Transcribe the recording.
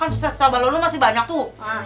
bisa bisa balon lu masih banyak tuh